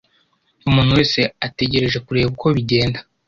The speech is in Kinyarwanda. Umuntu wese ategereje kureba uko bigenda.